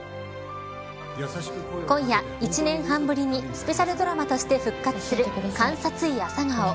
今夜、１年半ぶりにスペシャルドラマとして復活する監察医、朝顔。